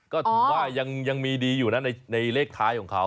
ก็ถือว่ายังมีดีอยู่นะในเลขท้ายของเขา